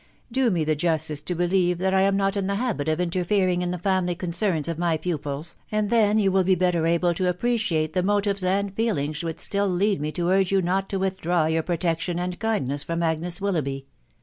... Do me the justice to believe that I am not in the habit of interfering in the family con cerns of my pupils, and then you will be better able to appre ciate the motives and feelings which still lead me to urge you not to withdraw your protection and kindness from Agnes Willoughby."